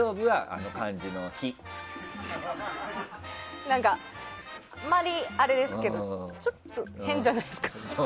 あまりあれですけどちょっと変じゃないですか？